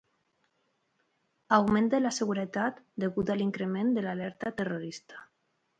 Augment de la seguretat degut a l'increment de l'alerta terrorista.